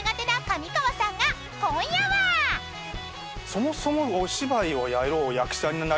そもそも。